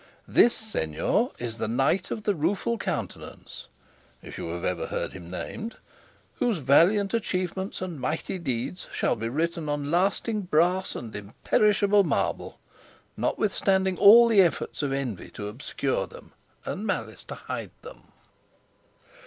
This, señor, is the Knight of the Rueful Countenance, if you have ever heard him named, whose valiant achievements and mighty deeds shall be written on lasting brass and imperishable marble, notwithstanding all the efforts of envy to obscure them and malice to hide them."